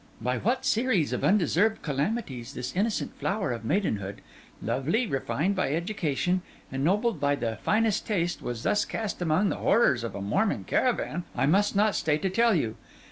By what series of undeserved calamities this innocent flower of maidenhood, lovely, refined by education, ennobled by the finest taste, was thus cast among the horrors of a Mormon caravan, I must not stay to tell you.